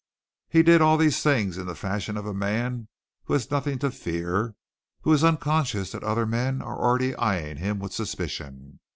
He did all these things in the fashion of a man who has nothing to fear, who is unconscious that other men are already eyeing him with suspicion.